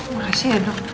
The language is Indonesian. makasih ya dok